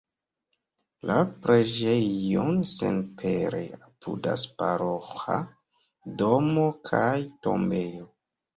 La preĝejon senpere apudas paroĥa domo kaj tombejo.